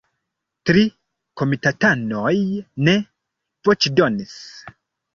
Tri komitatanoj ne voĉdonis.